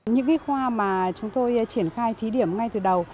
những khoa mà chúng tôi triển khai thí điểm ngay từ đầu